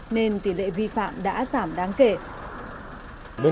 nên tỷ lệ vi phạm đã giảm đáng kể